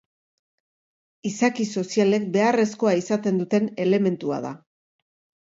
Izaki sozialek beharrezkoa izaten duten elementua da.